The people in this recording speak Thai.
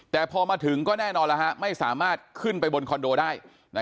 แต่พอมาถึงก็แน่นอนแล้วไม่สามารถขึ้นไปบนคอนโดได้